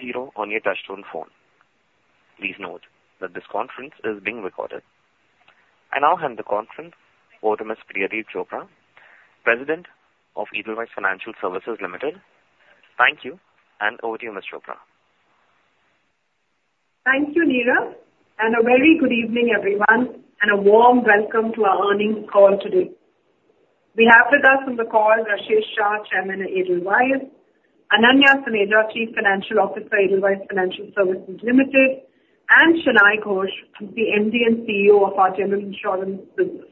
Zero on your touch-tone phone. Please note that this conference is being recorded. I now hand the conference over to Ms. Priyadeep Chopra, President of Edelweiss Financial Services Limited. Thank you, and over to you, Ms. Chopra. Thank you, Neeraj, and a very good evening, everyone, and a warm welcome to our earnings call today. We have with us on the call Rashesh Shah, Chairman at Edelweiss, Ananya Suneja, Chief Financial Officer, Edelweiss Financial Services Limited, and Shanai Ghosh, the MD and CEO of our general insurance business.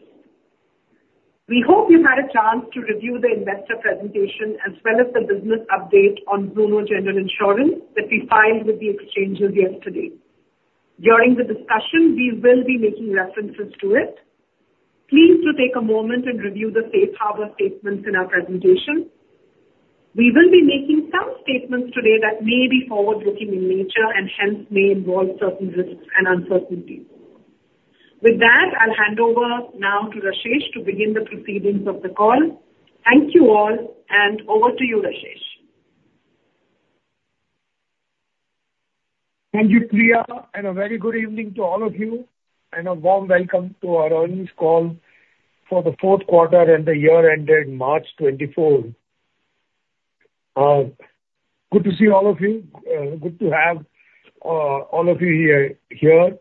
We hope you've had a chance to review the investor presentation, as well as the business update on Zuno General Insurance that we filed with the exchanges yesterday. During the discussion, we will be making references to it. Please do take a moment and review the safe harbor statements in our presentation. We will be making some statements today that may be forward-looking in nature and hence may involve certain risks and uncertainties. With that, I'll hand over now to Rashesh to begin the proceedings of the call. Thank you all, and over to you, Rashesh. Thank you, Priya, and a very good evening to all of you, and a warm welcome to our earnings call for the fourth quarter and the year ending March 2024. Good to see all of you. Good to have all of you here, here.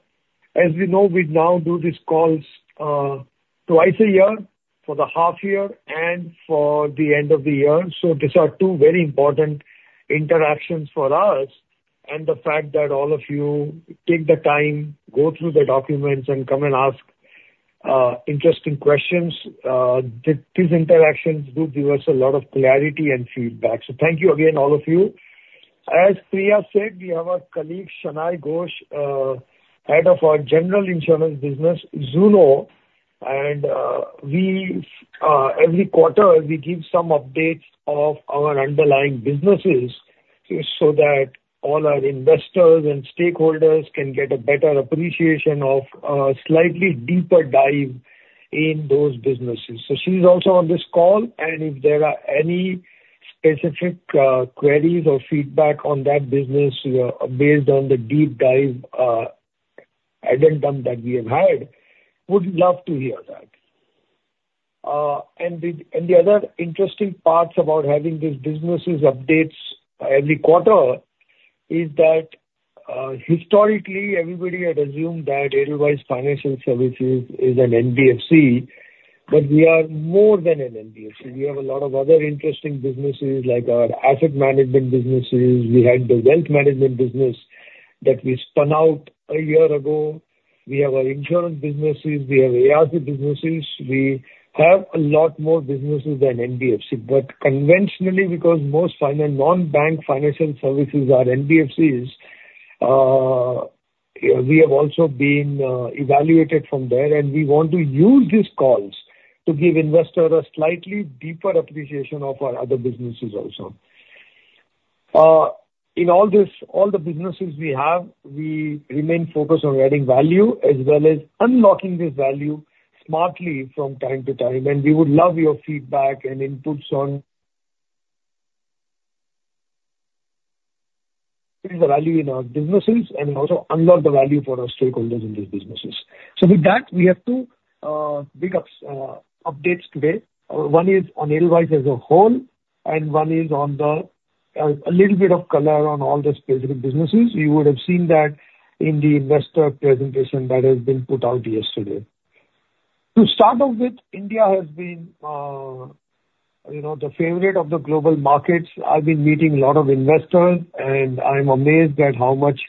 As we know, we now do these calls twice a year, for the half year and for the end of the year, so these are two very important interactions for us. The fact that all of you take the time, go through the documents, and come and ask interesting questions, these interactions do give us a lot of clarity and feedback. So thank you again, all of you. As Priya said, we have our colleague, Shanai Ghosh, head of our general insurance business, Zuno. Every quarter, we give some updates of our underlying businesses so that all our investors and stakeholders can get a better appreciation of a slightly deeper dive in those businesses. So she's also on this call, and if there are any specific queries or feedback on that business, based on the deep dive addendum that we have had, would love to hear that. And the other interesting parts about having these businesses updates every quarter is that, historically, everybody had assumed that Edelweiss Financial Services is an NBFC, but we are more than an NBFC. We have a lot of other interesting businesses, like our asset management businesses. We had the wealth management business that we spun out a year ago. We have our insurance businesses. We have ARC businesses. We have a lot more businesses than NBFC. But conventionally, because most non-bank financial services are NBFCs, we have also been evaluated from there, and we want to use these calls to give investors a slightly deeper appreciation of our other businesses also. In all this, all the businesses we have, we remain focused on adding value as well as unlocking this value smartly from time to time, and we would love your feedback and inputs on increase the value in our businesses and also unlock the value for our stakeholders in these businesses. So with that, we have two big updates today. One is on Edelweiss as a whole, and one is on a little bit of color on all the specific businesses. You would have seen that in the investor presentation that has been put out yesterday. To start off with, India has been, you know, the favorite of the global markets. I've been meeting a lot of investors, and I'm amazed at how much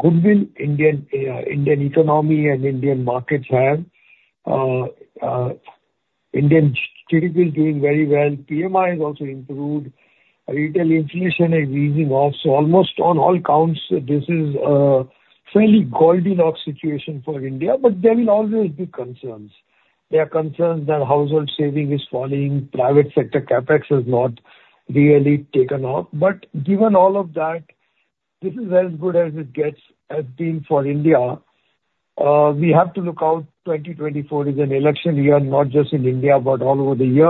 goodwill Indian, Indian economy and Indian markets have. Indian statistics doing very well. PMI has also improved. Retail inflation is easing off. So almost on all counts, this is a fairly Goldilocks situation for India, but there will always be concerns. There are concerns that household saving is falling. Private sector CapEx has not really taken off. But given all of that, this is as good as it gets, I think, for India. We have to look out, 2024 is an election year, not just in India, but all over the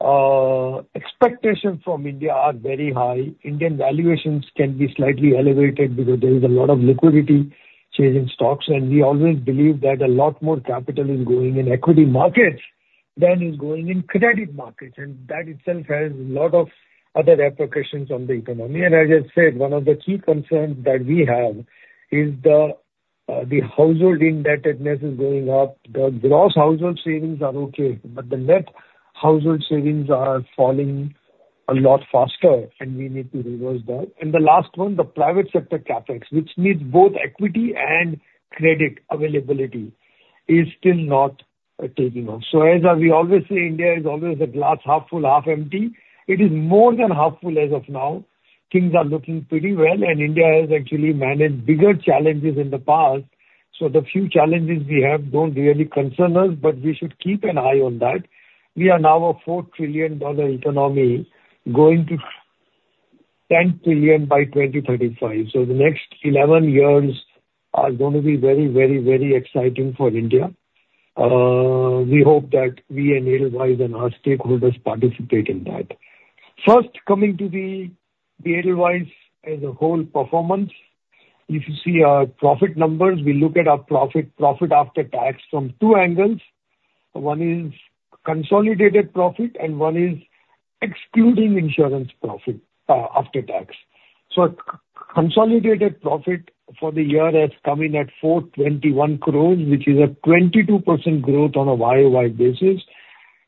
world. Expectation from India are very high. Indian valuations can be slightly elevated because there is a lot of liquidity change in stocks, and we always believe that a lot more capital is going in equity markets than is going in credit markets. And that itself has a lot of other repercussions on the economy. And as I said, one of the key concerns that we have is the household indebtedness is going up. The gross household savings are okay, but the net household savings are falling a lot faster, and we need to reverse that. And the last one, the private sector CapEx, which needs both equity and credit availability, is still not taking off. So as we always say, India is always a glass half full, half empty. It is more than half full as of now. Things are looking pretty well, and India has actually managed bigger challenges in the past, so the few challenges we have don't really concern us, but we should keep an eye on that. We are now a $4 trillion economy, going to $10 trillion by 2035. So the next 11 years are gonna be very, very, very exciting for India. We hope that we and Edelweiss and our stakeholders participate in that. First, coming to the Edelweiss as a whole performance, if you see our profit numbers, we look at our profit, profit after tax from two angles. One is consolidated profit and one is excluding insurance profit, after tax. So consolidated profit for the year has come in at 421 crore, which is a 22% growth on a Y-O-Y basis.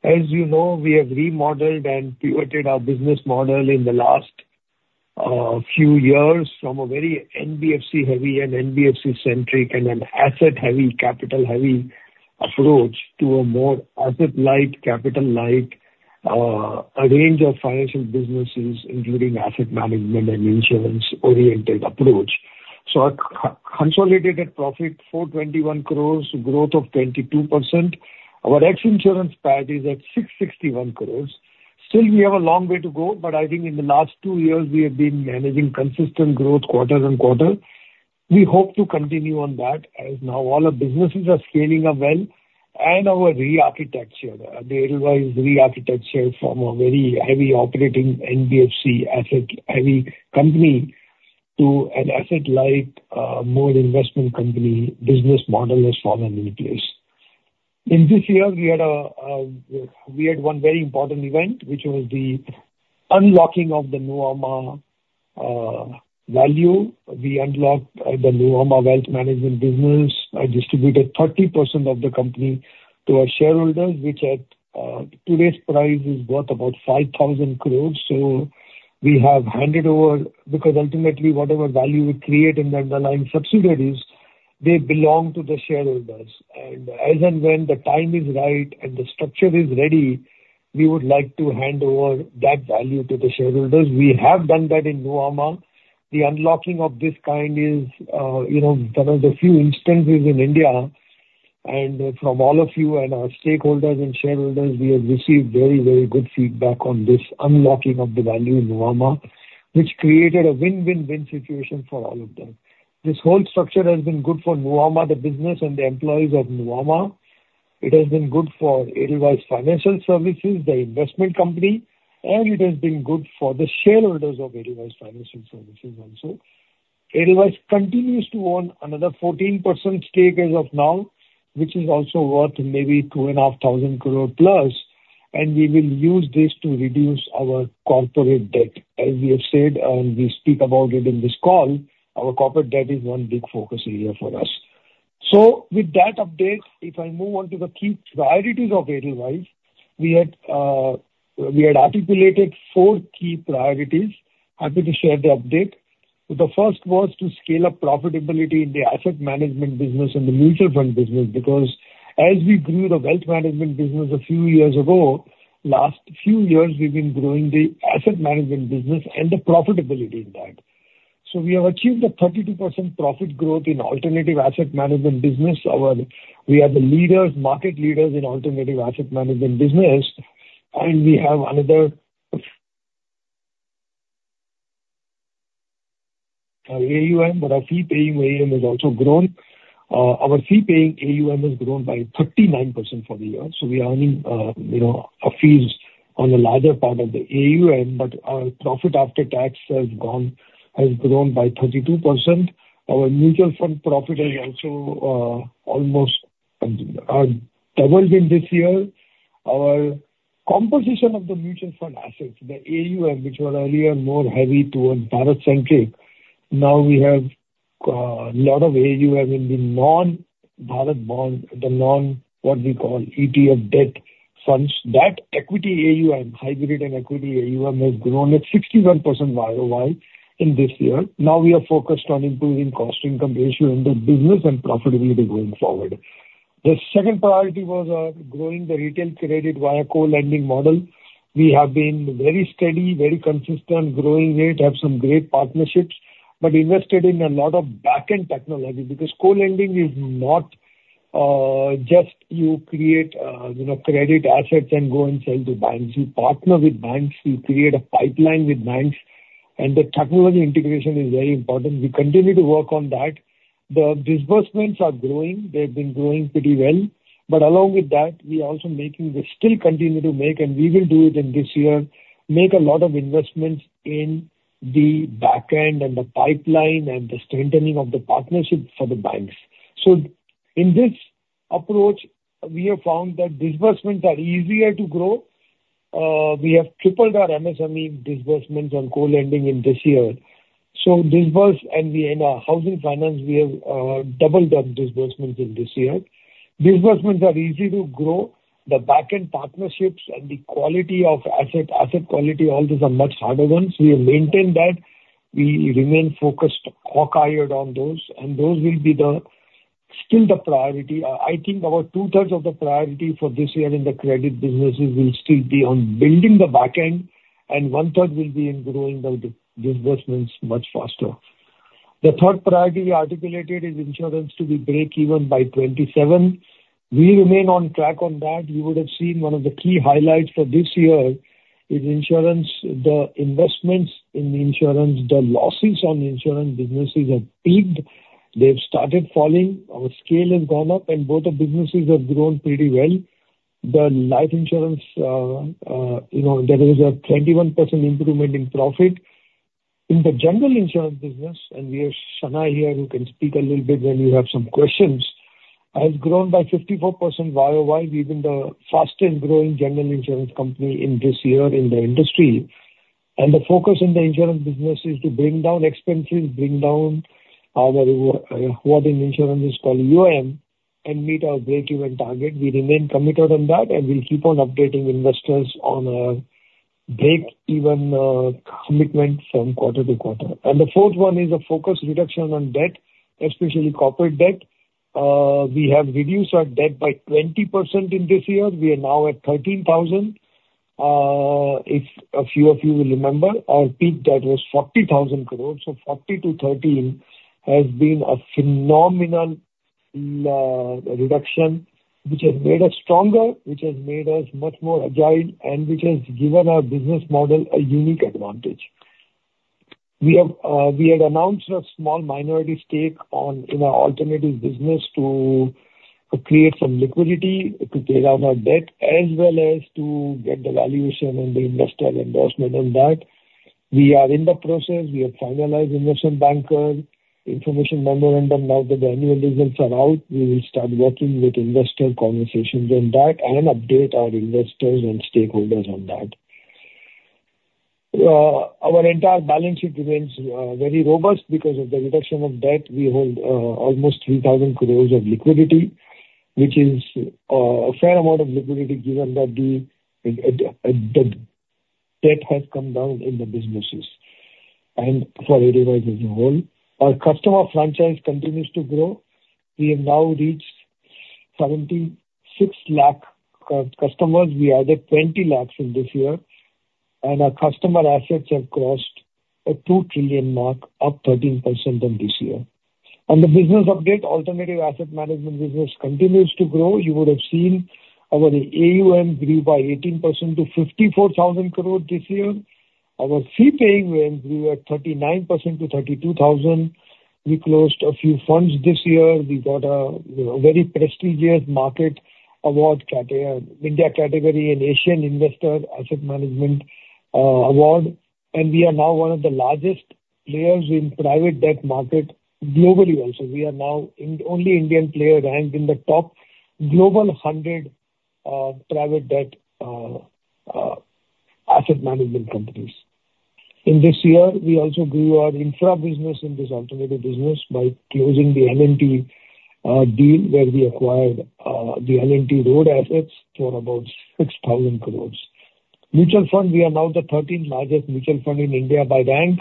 As you know, we have remodeled and pivoted our business model in the last few years from a very NBFC heavy and NBFC centric, and an asset heavy, capital heavy approach to a more asset light, capital light, a range of financial businesses, including asset management and insurance-oriented approach. So our consolidated profit, 421 crore, growth of 22%. Our ex insurance PAT is at 661 crore. Still, we have a long way to go, but I think in the last two years, we have been managing consistent growth quarter-over-quarter. We hope to continue on that, as now all our businesses are scaling up well, and our rearchitecture, the Edelweiss Rearchitecture from a very heavy operating NBFC, asset heavy company to an asset light, more investment company business model is firmly in place. In this year, we had a, we had one very important event, which was the unlocking of the Nuvama value. We unlocked the Nuvama Wealth Management Business and distributed 30% of the company to our shareholders, which at today's price, is worth about 5,000 crore. So we have handed over, because ultimately, whatever value we create in the underlying subsidiaries, they belong to the shareholders. And as and when the time is right and the structure is ready, we would like to hand over that value to the shareholders. We have done that in Nuvama. The unlocking of this kind is, you know, there are a few instances in India, and from all of you and our stakeholders and shareholders, we have received very, very good feedback on this unlocking of the value in Nuvama, which created a win-win-win situation for all of them. This whole structure has been good for Nuvama, the business and the employees of Nuvama. It has been good for Edelweiss Financial Services, the investment company, and it has been good for the shareholders of Edelweiss Financial Services also. Edelweiss continues to own another 14% stake as of now, which is also worth maybe 2,500 crore plus, and we will use this to reduce our corporate debt. As we have said, and we speak about it in this call, our corporate debt is one big focus area for us. So with that update, if I move on to the key priorities of Edelweiss, we had, we had articulated four key priorities. Happy to share the update. The first was to scale up profitability in the asset management business and the mutual fund business. Because as we grew the Wealth Management Business a few years ago, last few years, we've been growing the asset management business and the profitability in that. So we have achieved a 32% profit growth in alternative asset management business. Our, we are the leaders, market leaders in alternative asset management business, and we have another. Our AUM, but our fee-paying AUM has also grown. Our fee-paying AUM has grown by 39% for the year. So we are earning, you know, our fees on a larger part of the AUM, but our profit after tax has gone, has grown by 32%. Our mutual fund profit has also almost doubled in this year. Our composition of the mutual fund assets, the AUM, which were earlier more heavy towards Bharat-centric, now we have a lot of AUM in the non-Bharat Bond, what we call, ETF debt funds. That equity AUM, hybrid and equity AUM, has grown at 61% Y-O-Y in this year. Now we are focused on improving cost income ratio in the business and profitability going forward. The second priority was growing the retail credit via co-lending model. We have been very steady, very consistent, growing rate, have some great partnerships, but invested in a lot of back-end technology. Because co-lending is not just you create, you know, credit assets and go and sell to banks. You partner with banks, you create a pipeline with banks, and the technology integration is very important. We continue to work on that. The disbursements are growing. They've been growing pretty well. But along with that, we are also making, we still continue to make, and we will do it in this year, make a lot of investments in the back end and the pipeline and the strengthening of the partnership for the banks. So in this approach, we have found that disbursements are easier to grow. We have tripled our MSME disbursements on co-lending in this year. So disbursements and we, in our housing finance, we have doubled our disbursements in this year. Disbursements are easy to grow. The back-end partnerships and the quality of asset, asset quality, all these are much harder ones. We have maintained that. We remain focused, hawk-eyed on those, and those will be the, still the priority. I think about two-thirds of the priority for this year in the credit businesses will still be on building the back end, and one-third will be in growing the disbursements much faster. The third priority we articulated is insurance to be breakeven by 2027. We remain on track on that. You would have seen one of the key highlights for this year. In insurance, the investments in insurance, the losses on insurance businesses have peaked. They've started falling, our scale has gone up, and both the businesses have grown pretty well. The life insurance, you know, there is a 21% improvement in profit. In the general insurance business, and we have Shanai here who can speak a little bit when you have some questions, has grown by 54% Y-O-Y. We've been the fastest growing general insurance company in this year in the industry. The focus in the insurance business is to bring down expenses, bring down our, what, what in insurance is called EOM, and meet our breakeven target. We remain committed on that, and we'll keep on updating investors on a breakeven, commitment from quarter-to-quarter. The fourth one is a focused reduction on debt, especially corporate debt. We have reduced our debt by 20% in this year. We are now at 13,000 crore. If a few of you will remember, our peak debt was 40,000 crore. So 40-13 has been a phenomenal reduction, which has made us stronger, which has made us much more agile, and which has given our business model a unique advantage. We have, we had announced a small minority stake on, in our alternative business to, to create some liquidity, to pay down our debt, as well as to get the valuation and the investor endorsement on that. We are in the process. We have finalized investment bankers, information memorandum. Now that the annual results are out, we will start working with investor conversations on that and update our investors and stakeholders on that. Our entire balance sheet remains very robust. Because of the reduction of debt, we hold almost 3,000 crore of liquidity, which is a fair amount of liquidity, given that the debt has come down in the businesses and for Edelweiss as a whole. Our customer franchise continues to grow. We have now reached 76 lakh customers. We added 20 lakh in this year, and our customer assets have crossed a two trillion mark, up 13% on this year. On the business update, alternative asset management business continues to grow. You would have seen our AUM grew by 18% to 54,000 crore this year. Our fee paying grew at 39% to 32,000. We closed a few funds this year. We got a, you know, very prestigious market award in India category and AsianInvestor Asset Management Award, and we are now one of the largest players in private debt market globally also. We are now the only Indian player ranked in the top 100 global private debt asset management companies. In this year, we also grew our infra business in this alternative business by closing the L&T deal, where we acquired the L&T road assets for about 6,000 crore. Mutual fund, we are now the 13th largest mutual fund in India by rank.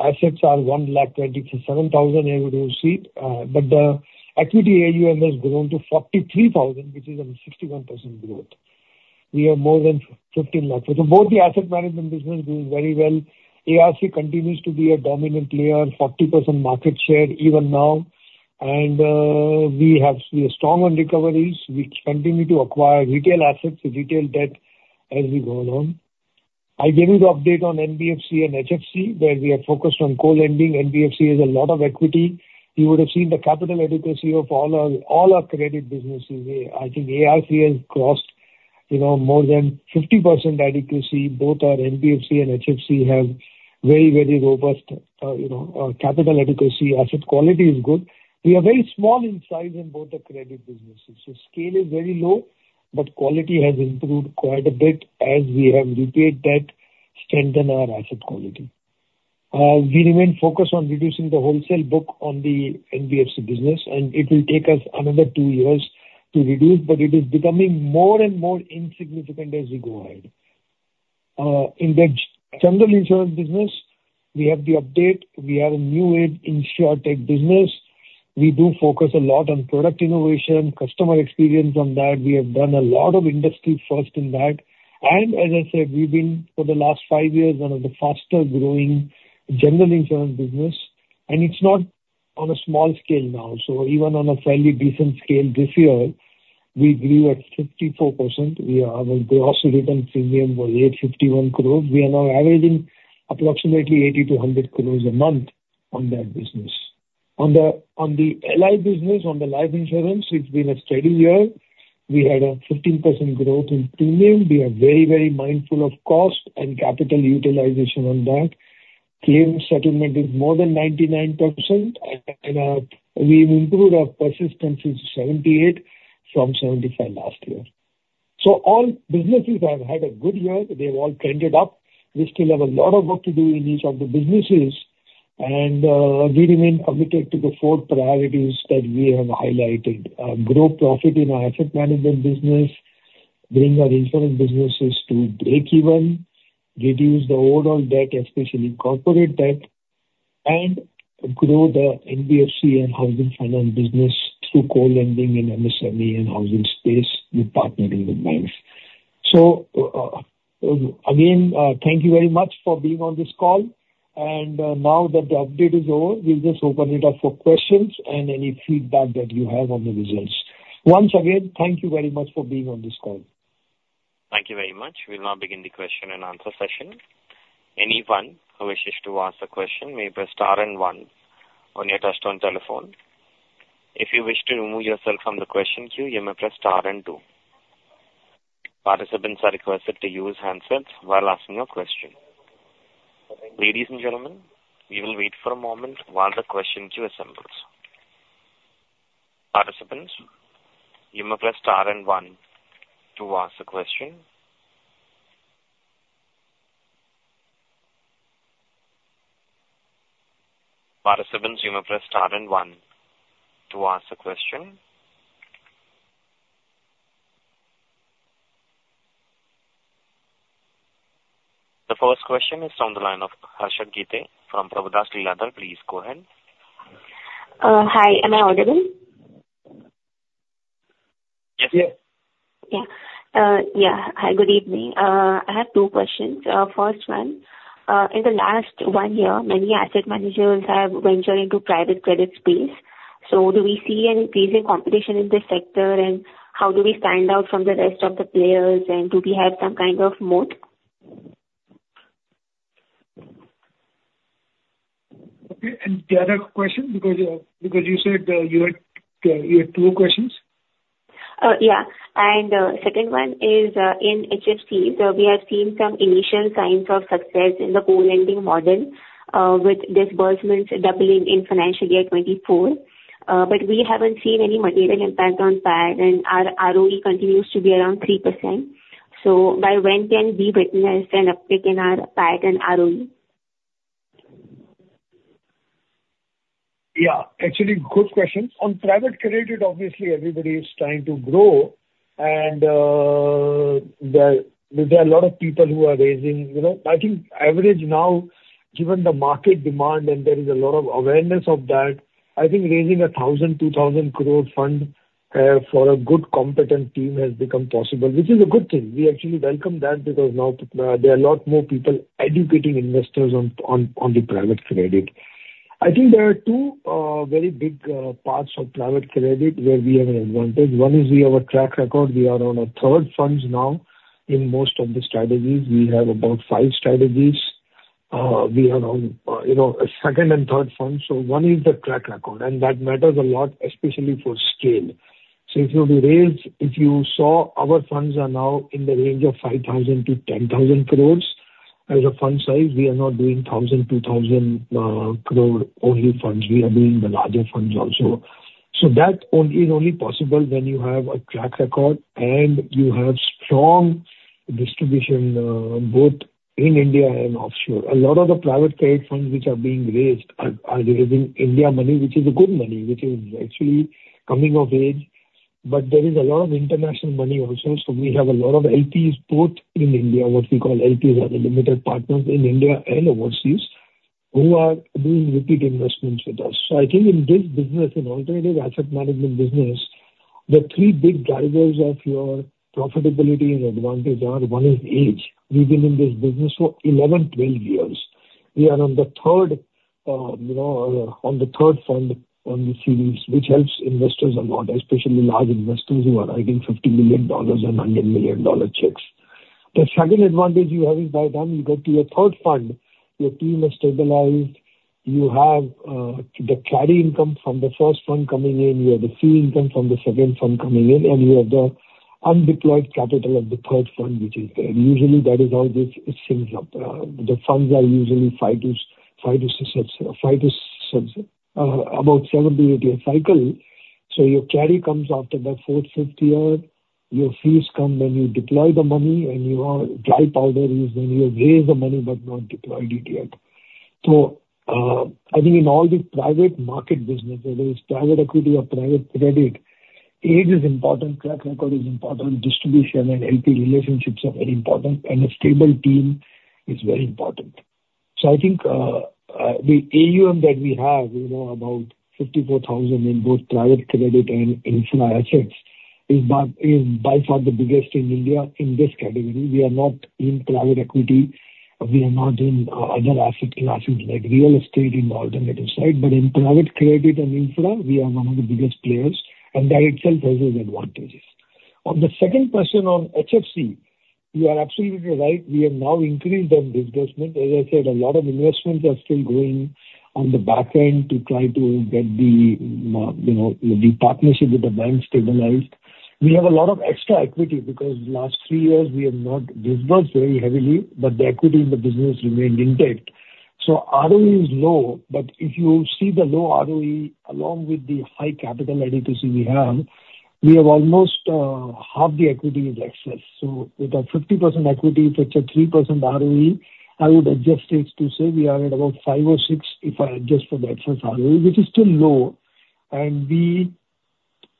Assets are 1,27,000 crore AUM. But the equity AUM has grown to 43,000 crore, which is a 61% growth. We have more than 15 lakh. So both the asset management business doing very well. ARC continues to be a dominant player, 40% market share even now, and we have strong on recoveries. We continue to acquire retail assets and retail debt as we go along. I gave you the update on NBFC and HFC, where we are focused on co-lending. NBFC has a lot of equity. You would have seen the capital adequacy of all our, all our credit businesses. I think ARC has crossed, you know, more than 50% adequacy. Both our NBFC and HFC have very, very robust, you know, capital adequacy. Asset quality is good. We are very small in size in both the credit businesses. So scale is very low, but quality has improved quite a bit as we have repaid debt, strengthen our asset quality. We remain focused on reducing the wholesale book on the NBFC business, and it will take us another two years to reduce, but it is becoming more and more insignificant as we go ahead. In the general insurance business, we have the update. We have a new insurtech business. We do focus a lot on product innovation, customer experience on that. We have done a lot of industry first in that. And as I said, we've been, for the last five years, one of the faster growing general insurance business, and it's not on a small scale now. So even on a fairly decent scale this year, we grew at 54%. We are, our gross written premium was 851 crores. We are now averaging approximately 80-100 crores a month on that business. On the, on the LI business, on the life insurance, it's been a steady year. We had a 15% growth in premium. We are very, very mindful of cost and capital utilization on that. Claims settlement is more than 99%, and we've improved our persistency to 78 from 75 last year. So all businesses have had a good year. They've all trended up. We still have a lot of work to do in each of the businesses, and we remain committed to the four priorities that we have highlighted. Grow profit in our asset management business, bring our insurance businesses to breakeven, reduce the overall debt, especially corporate debt, and grow the NBFC and housing finance business through co-lending in MSME and housing space with partnering with banks. So, again, thank you very much for being on this call, and now that the update is over, we'll just open it up for questions and any feedback that you have on the results. Once again, thank you very much for being on this call. Thank you very much. We'll now begin the question and answer session. Anyone who wishes to ask a question, may press star and one on your touchtone telephone. If you wish to remove yourself from the question queue, you may press star and two. Participants are requested to use handsets while asking your question. Ladies and gentlemen, we will wait for a moment while the question queue assembles. Participants, you may press star and one to ask a question. Participants, you may press star and one to ask a question. The first question is on the line of Harshada Gite from Prabhudas Lilladher. Please go ahead. Hi, am I audible? Yes, we are. Yeah. Yeah. Hi, good evening. I have two questions. First one, in the last one year, many asset managers have ventured into private credit space. So do we see any increasing competition in this sector? And how do we stand out from the rest of the players? And do we have some kind of moat? Okay, and the other question, because, because you said, you had, you had two questions. Yeah. And, second one is, in HFC, so we have seen some initial signs of success in the co-lending model, with disbursements doubling in financial year 2024. But we haven't seen any material impact on PAD, and our ROE continues to be around 3%. So by when can we witness an uptick in our PAD and ROE? Yeah, actually, good question. On private credit, obviously, everybody is trying to grow, and there are a lot of people who are raising. You know, I think average now, given the market demand and there is a lot of awareness of that, I think raising an 1,000 crore-2,000 crore fund for a good, competent team has become possible, which is a good thing. We actually welcome that because now there are a lot more people educating investors on the private credit. I think there are two very big parts of private credit where we have an advantage. One is we have a track record. We are on our third funds now in most of the strategies. We have about five strategies. We are on, you know, a second and third fund. So one is the track record, and that matters a lot, especially for scale. So if you raise, if you saw, our funds are now in the range of 5,000-10,000 crore as a fund size. We are not doing 1,000, 2,000 crore only funds. We are doing the larger funds also. So that only, is only possible when you have a track record and you have strong distribution, both in India and offshore. A lot of the private credit funds which are being raised are, are raising India money, which is a good money, which is actually coming of age. But there is a lot of international money also. So we have a lot of LPs, both in India, what we call LPs, are the limited partners in India and overseas, who are doing repeat investments with us. So I think in this business, in alternative asset management business, the three big drivers of your profitability and advantage are, one is age. We've been in this business for 11, 12 years. We are on the third, you know, on the third fund on the series, which helps investors a lot, especially large investors who are writing $50 million and $100 million checks. The second advantage you have is, by then you get to your third fund, your team is stabilized. You have, the carry income from the first fund coming in, you have the fee income from the second fund coming in, and you have the undeployed capital of the third fund, which is there. Usually, that is how this, it syncs up. The funds are usually five to about seven to eight year cycle. So your carry comes after the fourth, fifth year. Your fees come when you deploy the money, and your dry powder is when you have raised the money but not deployed it yet. So, I think in all the private market business, whether it's private equity or private credit, age is important, track record is important, distribution and LP relationships are very important, and a stable team is very important. So I think, the AUM that we have, you know, about 54,000 in both private credit and infra assets, is by far the biggest in India in this category. We are not in private equity, we are not in other asset classes, like real estate in the alternative side. But in private credit and infra, we are one of the biggest players, and that itself has its advantages. On the second question on HFC, you are absolutely right. We have now increased our disbursement. As I said, a lot of investments are still going on the back end to try to get the, you know, the partnership with the bank stabilized. We have a lot of extra equity because last three years we have not disbursed very heavily, but the equity in the business remained intact. So ROE is low, but if you see the low ROE along with the high capital adequacy we have, we have almost, half the equity is excess. So with a 50% equity, if it's a 3% ROE, I would adjust it to say we are at about five or six if I adjust for the excess ROE, which is still low.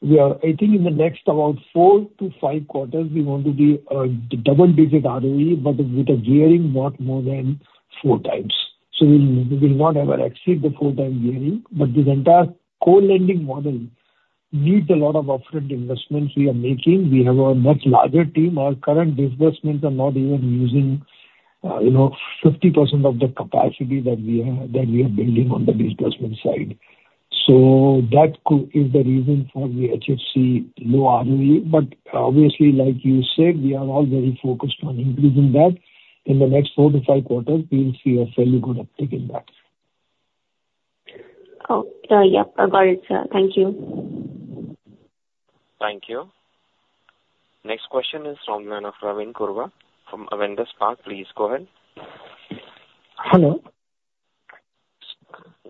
We are, I think, in the next about four to five quarters, we want to be double-digit ROE, but with a gearing not more than four times. So we will not ever exceed the four-time gearing, but this entire co-lending model needs a lot of upfront investments we are making. We have a much larger team. Our current disbursements are not even using, you know, 50% of the capacity that we are building on the disbursement side. So that is the reason for the HFC low ROE. But obviously, like you said, we are all very focused on increasing that. In the next four to five quarters, we will see a fairly good uptick in that. Oh, yep, I got it, sir. Thank you. Thank you. Next question is from line of Ravin Kurwa, from Avendus Spark. Please go ahead. Hello?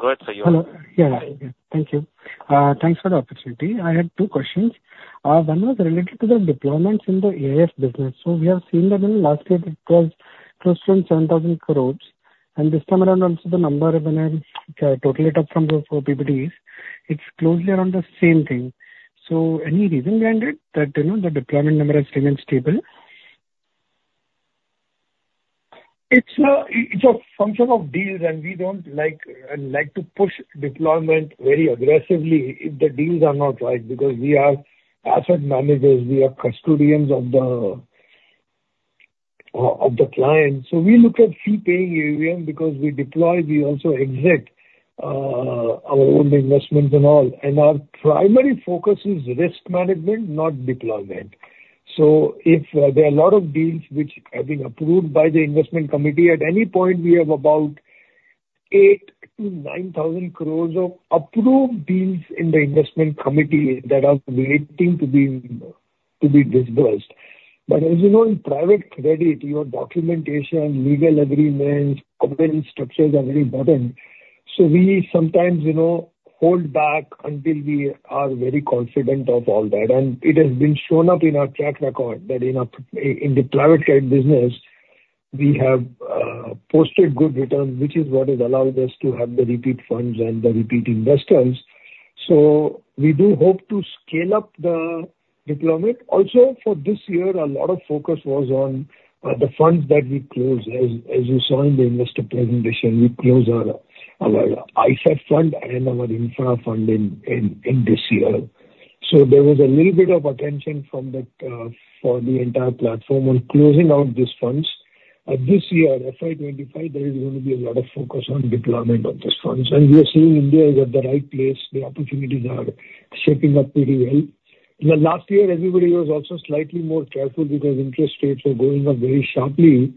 Go ahead, sir. You. Hello. Yeah, yeah. Thank you. Thanks for the opportunity. I had two questions. One was related to the deployments in the AIF business. So we have seen that in last year it was close to 7,000 crore, and this time around also the number, when I total it up from those four PBTs, it's closely around the same thing. So any reason behind it, that, you know, the deployment number has remained stable? It's a, it's a function of deals, and we don't like, like to push deployment very aggressively if the deals are not right, because we are asset managers, we are custodians of the, of the client. So we look at fee paying AUM because we deploy, we also exit, our own investments and all. And our primary focus is risk management, not deployment. So if, there are a lot of deals which have been approved by the investment committee, at any point, we have about 8,000 crore-9,000 crore of approved deals in the investment committee that are waiting to be, to be disbursed. But as you know, in private credit, your documentation, legal agreements, governance structures are very important. So we sometimes, you know, hold back until we are very confident of all that. It has been shown up in our track record that in the private credit business, we have posted good returns, which is what has allowed us to have the repeat funds and the repeat investors. So we do hope to scale up the deployment. Also, for this year, a lot of focus was on the funds that we closed. As you saw in the investor presentation, we closed our ISAF fund and our infra fund in this year. So there was a little bit of attention from that for the entire platform on closing out these funds. This year, FY 2025, there is going to be a lot of focus on deployment of these funds. And we are seeing India is at the right place. The opportunities are shaping up pretty well. In the last year, everybody was also slightly more careful because interest rates were going up very sharply,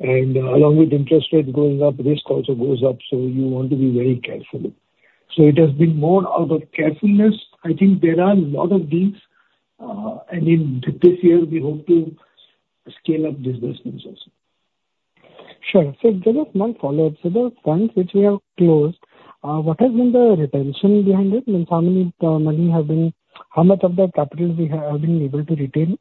and along with interest rate going up, risk also goes up, so you want to be very careful. So it has been more out of carefulness. I think there are a lot of deals, and in this year, we hope to scale up this business also. Sure. So just one follow-up. So the funds which we have closed, what has been the retention behind it? Means, how much of the capital we have, have been able to retain?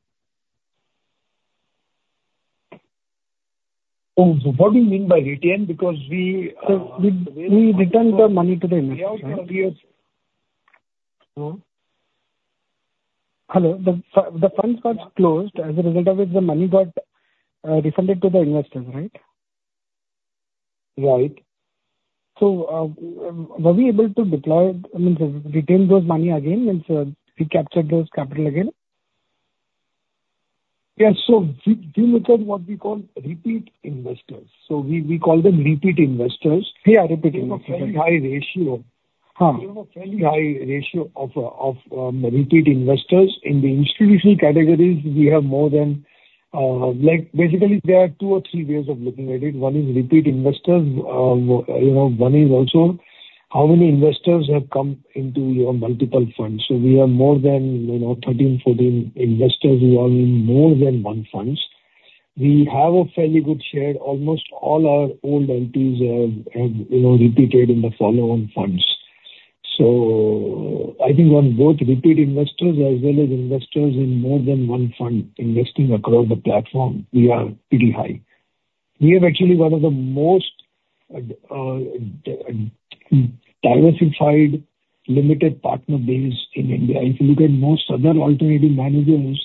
Oh, so what do you mean by retain? Because we. Sir, we return the money to the investor. We have, we have. Hello? Hello, the funds got closed. As a result of which the money got refunded to the investors, right? Right. So, were we able to deploy, I mean, retain those money again, means, we captured those capital again? Yeah. So we look at what we call repeat investors. So we call them repeat investors. Yeah, repeat investors. We have a fairly high ratio. Huh. We have a fairly high ratio of repeat investors. In the institutional categories, we have more than, like, basically, there are two or three ways of looking at it. One is repeat investors. You know, one is also how many investors have come into your multiple funds. So we have more than, you know, 13, 14 investors who are in more than one funds. We have a fairly good share. Almost all our old LPs have you know, repeated in the follow-on funds. So I think on both repeat investors as well as investors in more than one fund investing across the platform, we are pretty high. We have actually one of the most diversified limited partner base in India. If you look at most other alternative managers,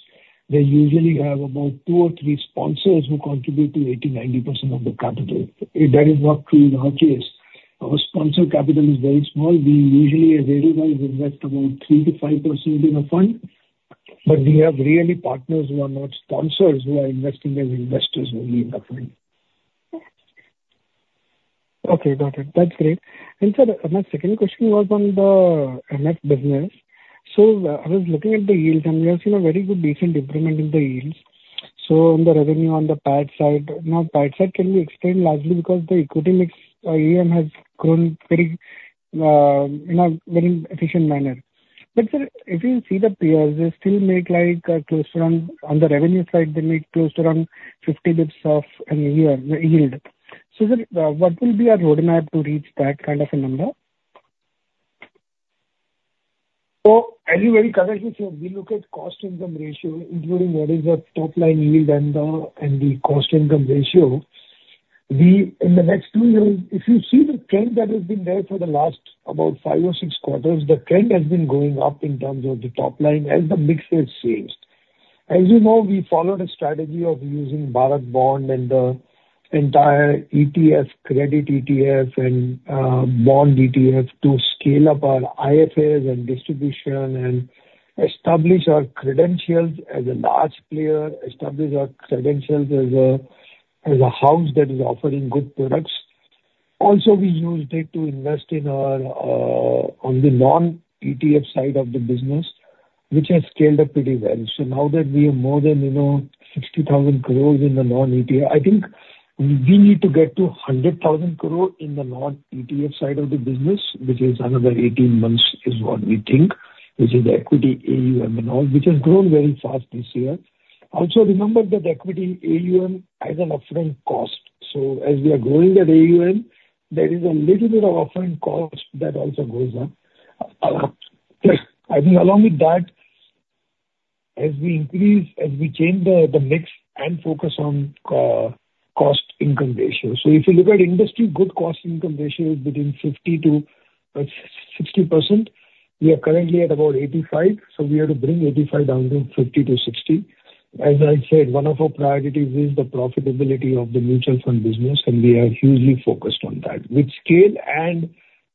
they usually have about two or three sponsors who contribute to 80%, 90% of the capital. That is not true in our case. Our sponsor capital is very small. We usually, a very well invest about 3%-5% in a fund, but we have really partners who are not sponsors, who are investing as investors only in the fund. Okay, got it. That's great. And sir, my second question was on the MF business. So, I was looking at the yield, and we have seen a very good recent improvement in the yields. So on the revenue, on the PAT side, now, PAT side can be explained largely because the equity mix, AUM, has grown very, in a very efficient manner. But sir, if you see the peers, they still make like, close to around, on the revenue side, they make close to around 50 bps of a year, yield. So sir, what will be our roadmap to reach that kind of a number? So as you very correctly said, we look at cost-income ratio, including what is the top-line yield and and the cost-income ratio. In the next two years, if you see the trend that has been there for the last about five or six quarters, the trend has been going up in terms of the top line as the mix has changed. As you know, we followed a strategy of using Bharat Bond and the entire ETF, credit ETF and bond ETF to scale up our IFAs and distribution, and establish our credentials as a large player, establish our credentials as a, as a house that is offering good products. Also, we used it to invest in our on the non-ETF side of the business, which has scaled up pretty well. Now that we are more than, you know, 60,000 crore in the non-ETF, I think we need to get to 100,000 crore in the non-ETF side of the business, which is another 18 months, is what we think. Which is the equity AUM and all, which has grown very fast this year. Also, remember that equity AUM has an upfront cost. So as we are growing that AUM, there is a little bit of upfront cost that also goes up. I think along with that, as we increase, as we change the mix and focus on cost income ratio. So if you look at industry, good cost income ratio is between 50%-60%. We are currently at about 85%, so we have to bring 85% down to 50%-60%. As I said, one of our priorities is the profitability of the mutual fund business, and we are hugely focused on that. With scale and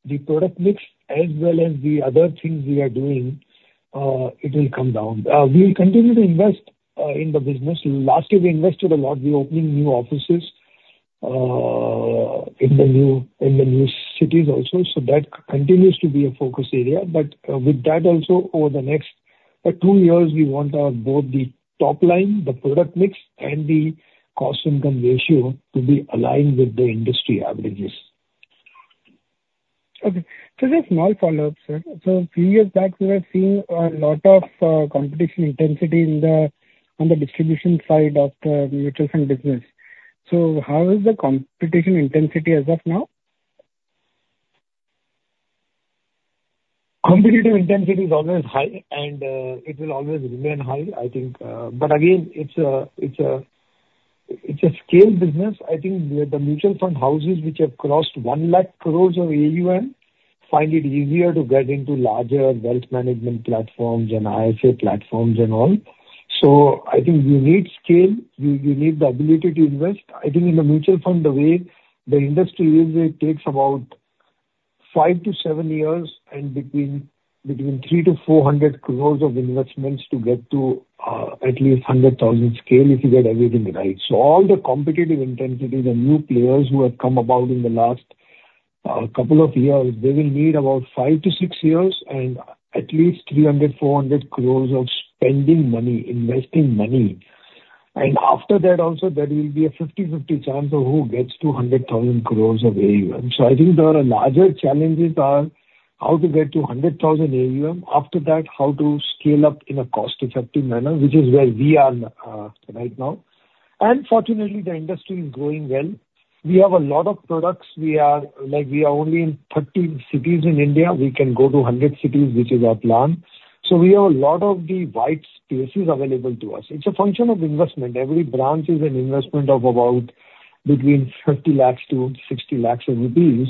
the product mix, as well as the other things we are doing, it will come down. We will continue to invest in the business. Last year, we invested a lot. We opened new offices in the new, in the new cities also. So that continues to be a focus area, but with that also, over the next two years, we want our both the top line, the product mix, and the cost-income ratio to be aligned with the industry averages. Okay. So just small follow-up, sir. So a few years back, we were seeing a lot of, competition intensity in the, on the distribution side of the mutual fund business. So how is the competition intensity as of now? Competitive intensity is always high, and it will always remain high, I think. But again, it's a scale business. I think the mutual fund houses which have crossed 100,000 crore of AUM find it easier to get into larger wealth management platforms and IFA platforms and all. So I think you need scale, you need the ability to invest. I think in the mutual fund, the way the industry is, it takes about five to seven years and between 300-400 crore of investments to get to at least 100,000 scale, if you get everything right. So all the competitive intensities and new players who have come about in the last couple of years, they will need aboutfive to six years and at least 300-400 crore of spending money, investing money. After that also, there will be a 50/50 chance of who gets to 100,000 crore of AUM. So I think there are larger challenges are how to get to 100,000 crore AUM. After that, how to scale up in a cost-effective manner, which is where we are right now. And fortunately, the industry is growing well. We have a lot of products. We are, like, we are only in 30 cities in India. We can go to 100 cities, which is our plan. So we have a lot of the wide spaces available to us. It's a function of investment. Every branch is an investment of about between 50 lakh-60 lakh rupees.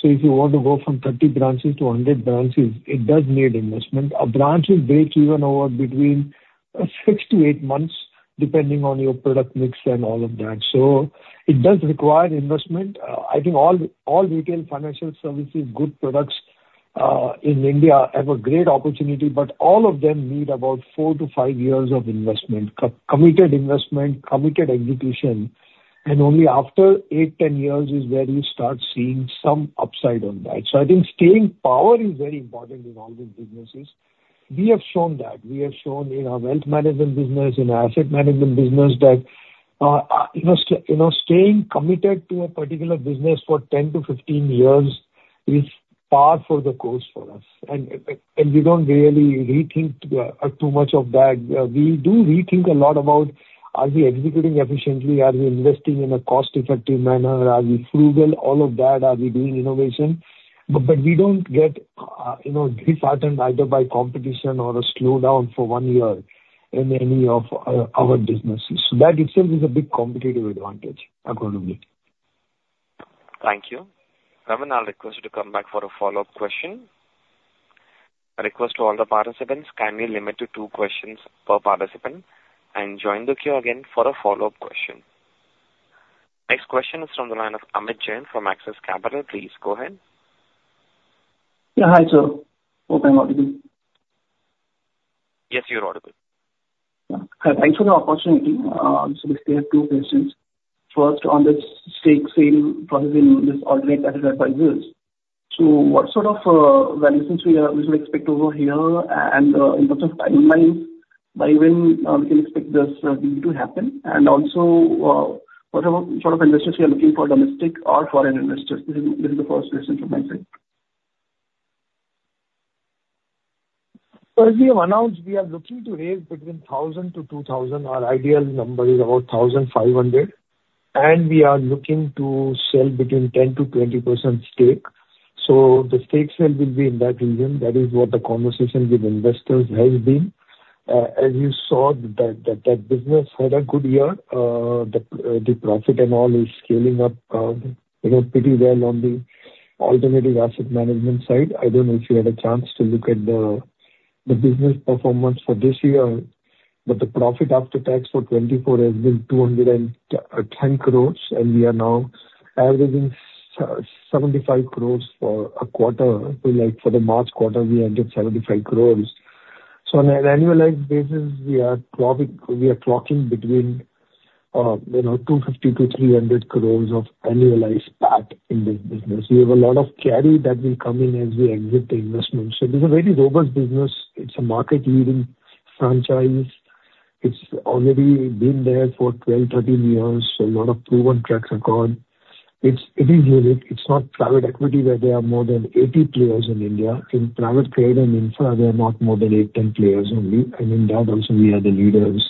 So if you want to go from 30 branches to 100 branches, it does need investment. A branch will break even over between six to eight months, depending on your product mix and all of that. So it does require investment. I think all, all retail financial services, good products, in India have a great opportunity, but all of them need about four to five years of investment, committed investment, committed execution, and only after 8-10 years is where you start seeing some upside on that. So I think staying power is very important in all these businesses. We have shown that. We have shown in our wealth management business, in our asset management business, that, you know, you know, staying committed to a particular business for 10-15 years is par for the course for us. And, and we don't really rethink too much of that. We do rethink a lot about are we executing efficiently? Are we investing in a cost-effective manner? Are we frugal? All of that. Are we doing innovation? But, but we don't get, you know, disheartened either by competition or a slowdown for one year in any of our, our businesses. So that itself is a big competitive advantage, according to me. Thank you. Raman, I'll request you to come back for a follow-up question. A request to all the participants: can we limit to two questions per participant and join the queue again for a follow-up question? Next question is from the line of Amit Jain from Axis Capital. Please go ahead. Yeah, hi, sir. Hope I'm audible. Yes, you're audible. Yeah. Thanks for the opportunity. So just I have two questions. First, on this stake sale process in this Alternative Asset Advisors, so what sort of valuations we are, we should expect over here? And, in terms of timelines, by when we can expect this deal to happen? And also, what about, sort of, investors you are looking for, domestic or foreign investors? This is, this is the first question from my side. So as we have announced, we are looking to raise between 1,000 crore-2,000 crore. Our ideal number is about 1,500 crore, and we are looking to sell 10%-20% stake. So the stake sale will be in that region. That is what the conversation with investors has been. As you saw, that business had a good year. The profit and all is scaling up, you know, pretty well on the alternative asset management side. I don't know if you had a chance to look at the business performance for this year, but the profit after tax for 2024 has been 210 crore, and we are now averaging 75 crore for a quarter. So like for the March quarter, we ended 75 crore. So on an annualized basis, we are clocking, we are clocking between, you know, 250-300 crores of annualized PAT in this business. We have a lot of carry that will come in as we exit the investment. So this is a very robust business. It's a market leading franchise. It's already been there for 12, 13 years, so a lot of proven track record. It's, it is unique. It's not private equity, where there are more than 80 players in India. In private credit and infra, there are not more than 8, 10 players only, and in that also we are the leaders.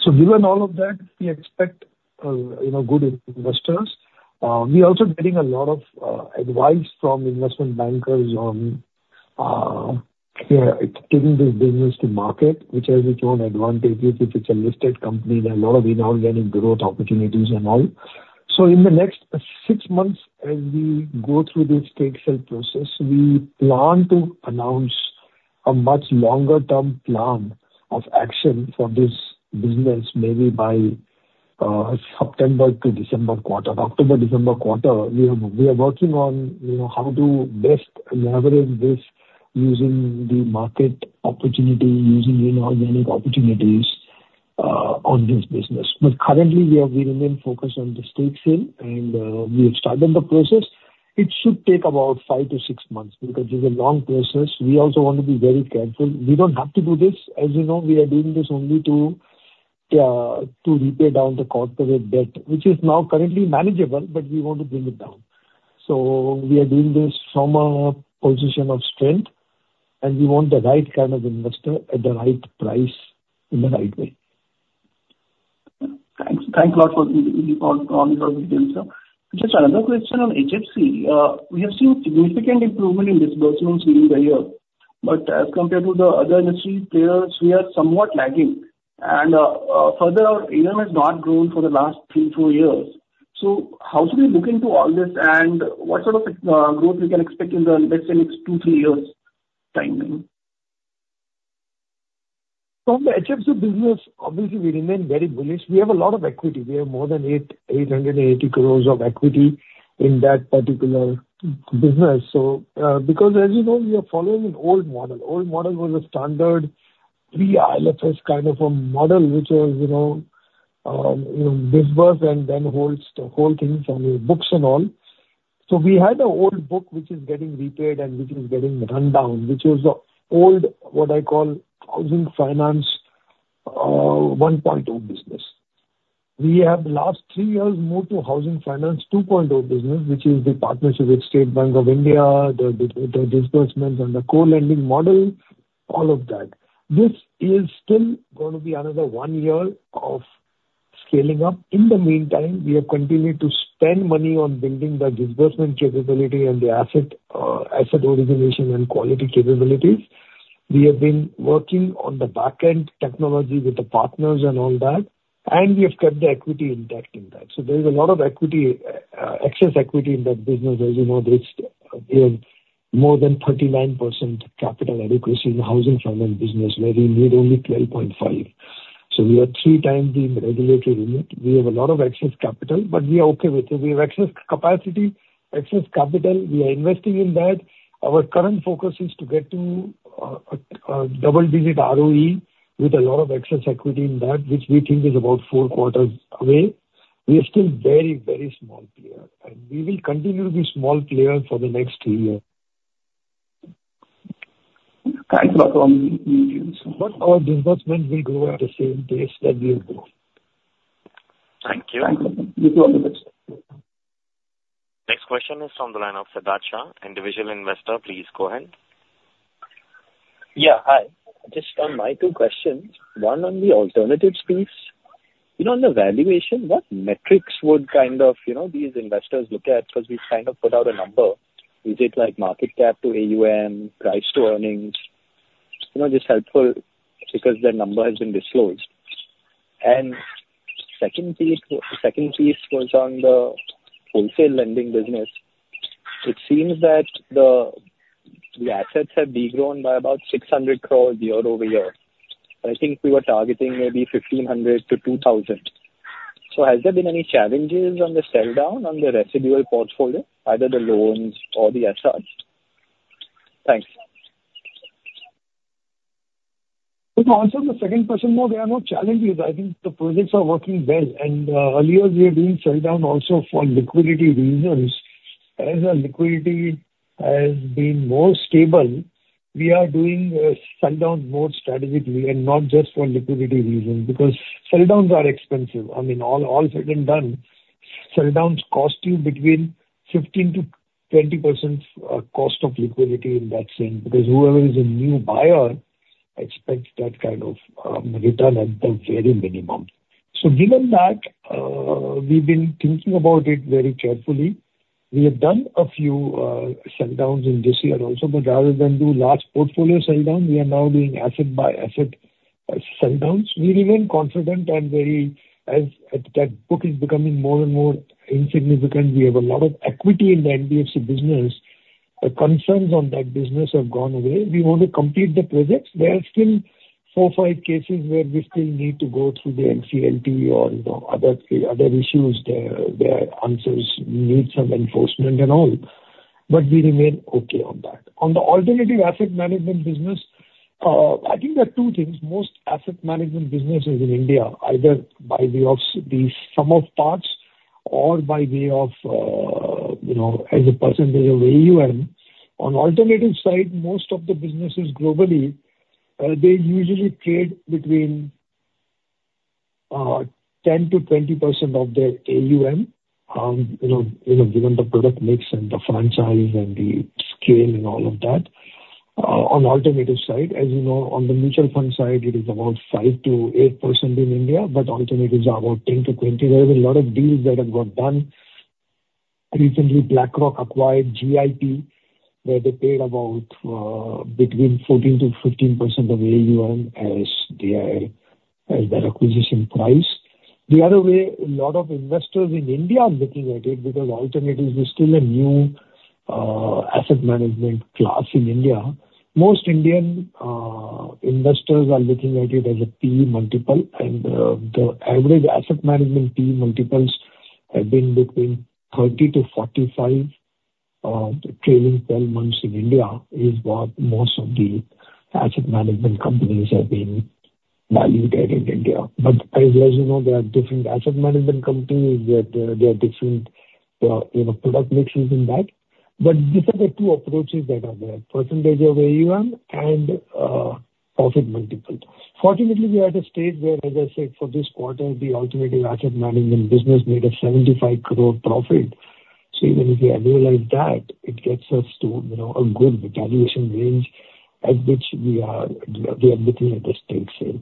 So given all of that, we expect, you know, good investors. We're also getting a lot of advice from investment bankers on, yeah, taking this business to market, which has its own advantages. If it's a listed company, there are a lot of inorganic growth opportunities and all. So in the next six months, as we go through this stake sale process, we plan to announce a much longer term plan of action for this business, maybe by September to December quarter. October-December quarter, we are, we are working on, you know, how to best leverage this using the market opportunity, using inorganic opportunities on this business. But currently, we are remaining focused on the stake sale, and we have started the process. It should take about five to six months, because this is a long process. We also want to be very careful. We don't have to do this. As you know, we are doing this only to to repay down the corporate debt, which is now currently manageable, but we want to bring it down. So we are doing this from a position of strength, and we want the right kind of investor at the right price in the right way. Thanks. Thank you a lot for all the details, sir. Just another question on HFC. We have seen significant improvement in disbursements during the year, but as compared to the other industry players, we are somewhat lagging. Further, our AUM has not grown for the last three, four years. So how should we look into all this, and what sort of growth we can expect in the next two, three years timing? From the HFC business, obviously, we remain very bullish. We have a lot of equity. We have more than 888 crore of equity in that particular business. So, because as you know, we are following an old model. Old model was a standard IL&FS kind of a model, which was, you know, you disburse and then holds the whole things on your books and all. So we had an old book, which is getting repaid and which is getting run down, which was the old, what I call, housing finance 1.2 business. We have last three years moved to housing finance 2.0 business, which is the partnership with State Bank of India, the disbursements and the co-lending model, all of that. This is still gonna be another one year of scaling up. In the meantime, we have continued to spend money on building the disbursement capability and the asset, asset origination and quality capabilities. We have been working on the back-end technology with the partners and all that, and we have kept the equity intact in that. So there is a lot of equity, excess equity in that business. As you know, there's more than 39% capital adequacy in the housing finance business, where we need only 12.5. So we are three times the regulatory limit. We have a lot of excess capital, but we are okay with it. We have excess capacity, excess capital. We are investing in that. Our current focus is to get to a double-digit ROE with a lot of excess equity in that, which we think is about four quarters away. We are still very, very small player, and we will continue to be small player for the next three years. Thanks a lot for your response. But our disbursement will grow at the same pace that we will grow. Thank you. Thank you. Wish you all the best. Next question is from the line of Siddharth Shah, individual investor. Please go ahead. Yeah, hi. Just my two questions. One on the alternatives piece. You know, on the valuation, what metrics would kind of, you know, these investors look at? Because we've kind of put out a number. Is it like market cap to AUM, price to earnings? You know, just helpful, because the number has been disclosed. And second piece, second piece was on the wholesale lending business. It seems that the assets have degrown by about 600 crore year-over-year. I think we were targeting maybe 1,500 crore-2,000 crore. So has there been any challenges on the sell down on the residual portfolio, either the loans or the assets? Thanks. To answer the second question, no, there are no challenges. I think the projects are working well. Earlier we were doing sell down also for liquidity reasons. As our liquidity has been more stable, we are doing sell down more strategically and not just for liquidity reasons, because sell downs are expensive. I mean, all said and done, sell downs cost you between 15%-20% cost of liquidity in that sense, because whoever is a new buyer expects that kind of return at the very minimum. So given that, we've been thinking about it very carefully. We have done a few sell downs in this year also, but rather than do large portfolio sell down, we are now doing asset by asset sell downs. We remain confident and very, as that book is becoming more and more insignificant, we have a lot of equity in the NBFC business. The concerns on that business have gone away. We want to complete the projects. There are still four, five cases where we still need to go through the NCLT or, you know, other issues. Their answers need some enforcement and all, but we remain okay on that. On the alternative asset management business, I think there are two things. Most asset management businesses in India, either by way of the sum of parts or by way of, you know, as a percentage of AUM. On alternative side, most of the businesses globally, they usually trade between 10-20% of their AUM. You know, you know, given the product mix and the fund size and the scale and all of that. On the alternative side, as you know, on the mutual fund side, it is about 5%-8% in India, but alternatives are about 10%-20%. There is a lot of deals that have got done. Recently, BlackRock acquired GIP, where they paid about between 14%-15% of AUM as their, as their acquisition price. The other way, a lot of investors in India are looking at it, because alternatives is still a new asset management class in India. Most Indian investors are looking at it as a PE multiple, and the average asset management PE multiples have been between 30-45 trailing 12 months in India, is what most of the asset management companies have been valued at in India. But as you know, there are different asset management companies, that there are different, you know, product mixes in that. But these are the two approaches that are there, percentage of AUM and, profit multiple. Fortunately, we are at a stage where, as I said, for this quarter, the alternative asset management business made a 75 crore profit. So even if we annualize that, it gets us to, you know, a good valuation range at which we are looking at a stake sale.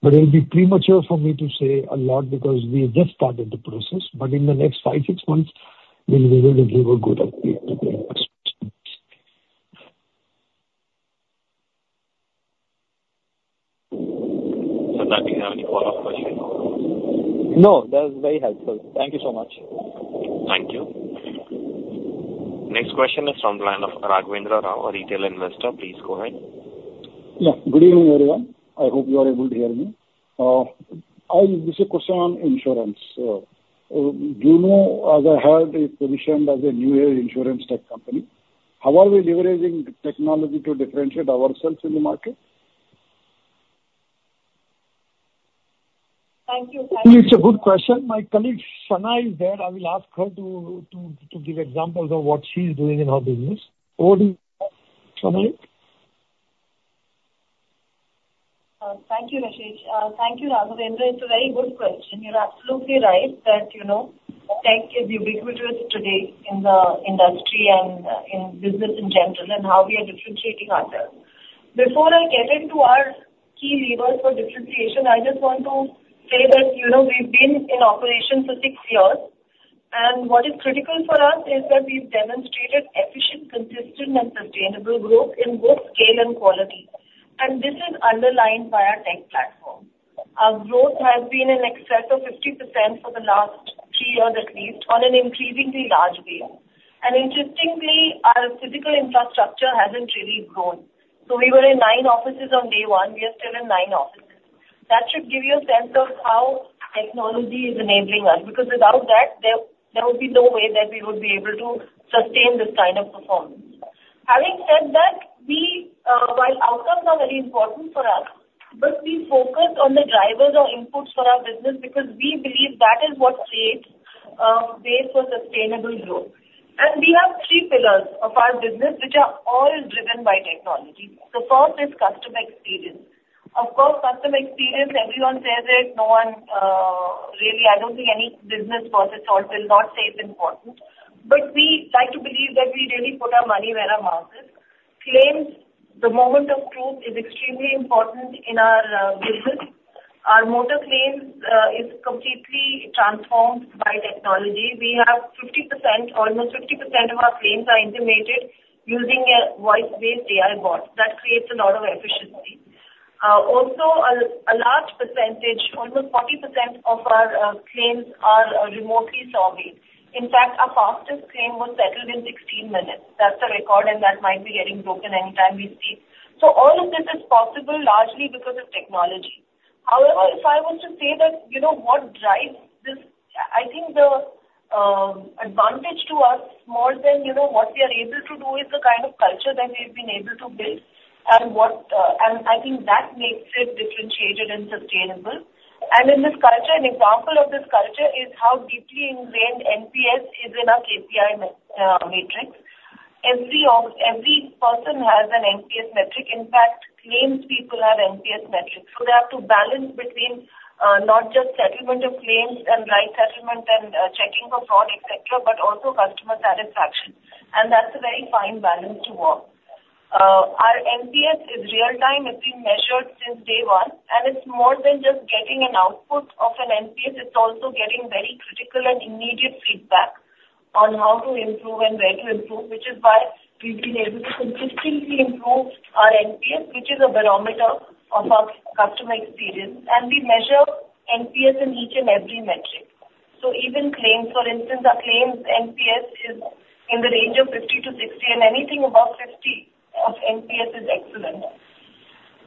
But it'll be premature for me to say a lot because we just started the process, but in the next five, six months, we'll be able to give a good update to the investors. Sir, do you have any follow-up question? No, that was very helpful. Thank you so much. Thank you. Next question is from the line of Ragavendra Rau, a retail investor. Please go ahead. Yeah. Good evening, everyone. I hope you are able to hear me. I, this is a question on insurance. Do you know, as I heard, it's positioned as a new age insurance tech company, how are we leveraging technology to differentiate ourselves in the market? Thank you, Ragavendra. It's a good question. My colleague, Shanai, is there. I will ask her to give examples of what she's doing in her business. Over to you, Shanai. Thank you, Rashesh. Thank you, Ragavendra. It's a very good question. You're absolutely right that, you know, tech is ubiquitous today in the industry and in business in general, and how we are differentiating ourselves. Before I get into our key levers for differentiation, I just want to say that, you know, we've been in operation for six years, and what is critical for us is that we've demonstrated efficient, consistent and sustainable growth in both scale and quality, and this is underlined by our tech platform. Our growth has been in excess of 50% for the last three years at least, on an increasingly large scale. And interestingly, our physical infrastructure hasn't really grown. So we were in nine offices on day one, we are still in nine offices. That should give you a sense of how technology is enabling us, because without that, there would be no way that we would be able to sustain this kind of performance. Having said that, we while outcomes are very important for us, but we focus on the drivers or inputs for our business because we believe that is what creates base for sustainable growth. We have three pillars of our business, which are all driven by technology. The first is customer experience. Of course, customer experience, everyone says it, no one really, I don't think any business worth its salt will not say it's important, but we like to believe that we really put our money where our mouth is. Claims, the moment of truth is extremely important in our business. Our motor claims is completely transformed by technology. We have 50%, almost 50% of our claims are intimated using a voice-based AI bot. That creates a lot of efficiency. Also a large percentage, almost 40% of our claims are remotely surveyed. In fact, our fastest claim was settled in 16 minutes. That's a record and that might be getting broken anytime we see. So all of this is possible largely because of technology. However, if I was to say that, you know, what drives this, I think the advantage to us more than, you know, what we are able to do, is the kind of culture that we've been able to build and I think that makes it differentiated and sustainable. And in this culture, an example of this culture is how deeply ingrained NPS is in our KPI matrix. Every person has an NPS metric. In fact, claims people have NPS metrics, so they have to balance between not just settlement of claims and right settlement and checking for fraud, et cetera, et cetera, but also customer satisfaction, and that's a very fine balance to walk. Our NPS is real time, it's been measured since day one, and it's more than just getting an output of an NPS, it's also getting very critical and immediate feedback on how to improve and where to improve, which is why we've been able to consistently improve our NPS, which is a barometer of our customer experience. We measure NPS in each and every metric. So even claims, for instance, our claims NPS is in the range of 50-60, and anything above 50 of NPS is excellent.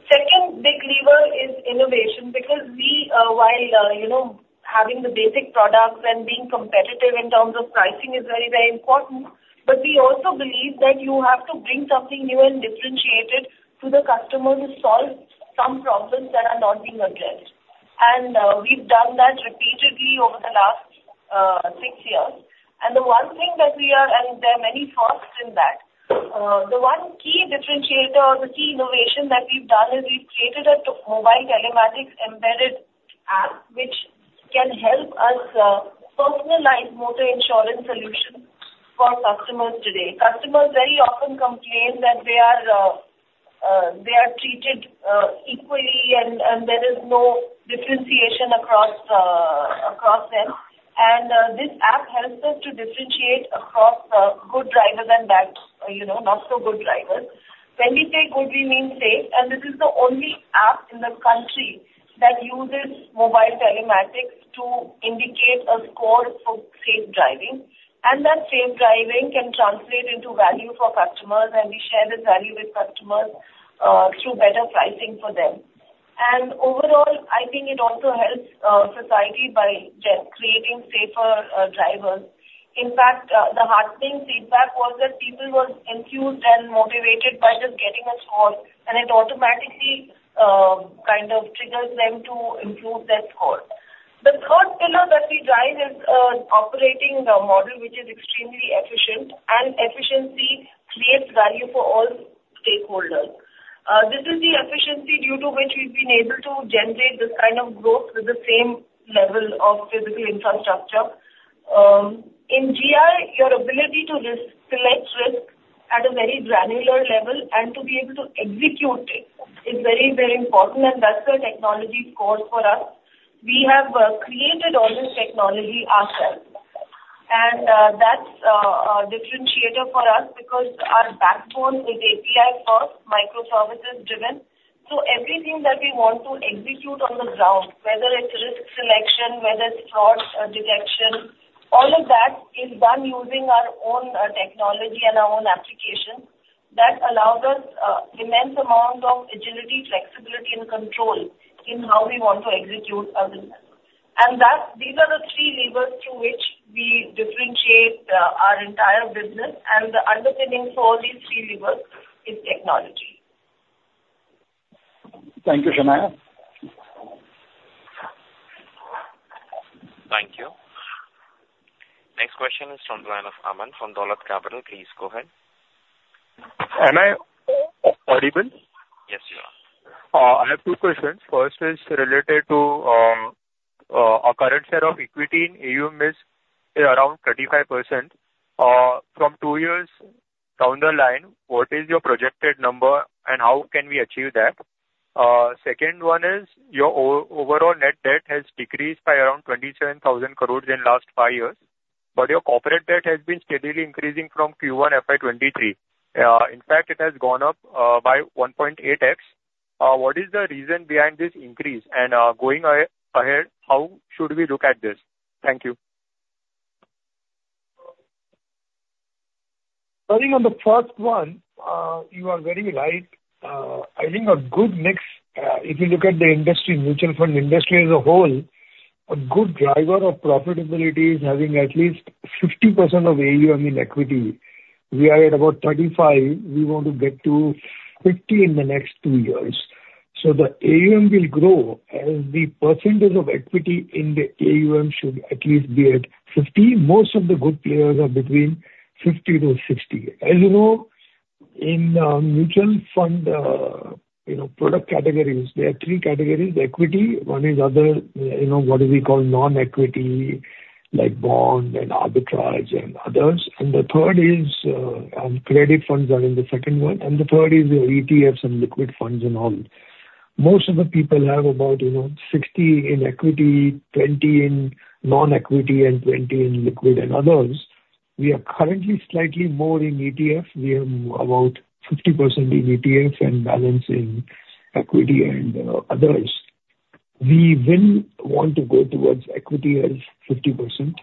Big lever is innovation, because we, while, you know, having the basic products and being competitive in terms of pricing is very, very important, but we also believe that you have to bring something new and differentiated to the customer to solve some problems that are not being addressed. And we've done that repeatedly over the last six years. And the one thing that we are and there are many firsts in that. The one key differentiator or the key innovation that we've done is we've created a mobile telematics embedded app, which can help us personalize motor insurance solutions for customers today. Customers very often complain that they are treated equally and there is no differentiation across them. This app helps us to differentiate across good drivers and bad, you know, not so good drivers. When we say good, we mean safe, and this is the only app in the country that uses mobile telematics to indicate a score for safe driving. And that safe driving can translate into value for customers, and we share this value with customers through better pricing for them. And overall, I think it also helps society by creating safer drivers. In fact, the heartening feedback was that people were enthused and motivated by just getting a score, and it automatically kind of triggers them to improve their score. The third pillar that we drive is operating the model, which is extremely efficient, and efficiency creates value for all stakeholders. This is the efficiency due to which we've been able to generate this kind of growth with the same level of physical infrastructure. In GI, your ability to select risk at a very granular level and to be able to execute it, is very, very important, and that's the technology score for us. We have created all this technology ourselves, and that's a differentiator for us because our backbone is API first, microservices driven. So everything that we want to execute on the ground, whether it's risk selection, whether it's fraud or detection, all of that is done using our own technology and our own application. That allows us immense amount of agility, flexibility, and control in how we want to execute our business. And that's—these are the three levers through which we differentiate our entire business, and the underpinning for all these three levers is technology. Thank you, Shanai. Thank you. Next question is from the line of Aman from Dolat Capital. Please go ahead. Am I audible? Yes, you are. I have two questions. First is related to, our current share of equity in AUM is around 35%. From two years down the line, what is your projected number, and how can we achieve that? Second one is, your overall net debt has decreased by around 27,000 crore in last five years, but your corporate debt has been steadily increasing from Q1 FY 2023. In fact, it has gone up, by 1.8x. What is the reason behind this increase? And, going ahead, how should we look at this? Thank you. Starting on the first one, you are very right. I think a good mix, if you look at the industry, mutual fund industry as a whole, a good driver of profitability is having at least 50% of AUM in equity. We are at about 35. We want to get to 50 in the next two years. So the AUM will grow as the percentage of equity in the AUM should at least be at 50. Most of the good players are between 50-60. As you know, in, mutual fund, you know, product categories, there are three categories: equity, one is other, you know, what do we call non-equity, like bond and arbitrage and others. And the third is, credit funds are in the second one, and the third is your ETFs and liquid funds and all. Most of the people have about, you know, 60 in equity, 20 in non-equity, and 20 in liquid and others. We are currently slightly more in ETF. We are about 50% in ETF and balance in equity and, others. We then want to go towards equity as 50%.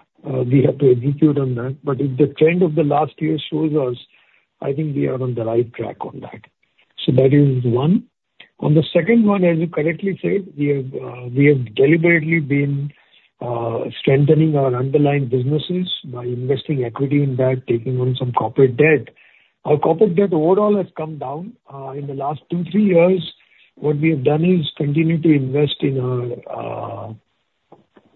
We have to execute on that, but if the trend of the last year shows us, I think we are on the right track on that. So that is one. On the second one, as you correctly said, we have, we have deliberately been, strengthening our underlying businesses by investing equity in that, taking on some corporate debt. Our corporate debt overall has come down. In the last two, three years, what we have done is continue to invest in our,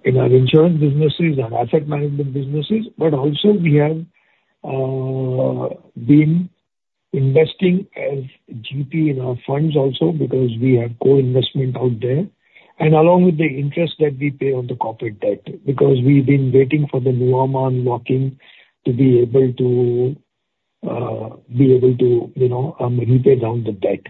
in our insurance businesses and asset management businesses. But also we have been investing as GP in our funds also, because we have co-investment out there. And along with the interest that we pay on the corporate debt, because we've been waiting for the Nuvama lock-in to be able to, you know, repay down the debt.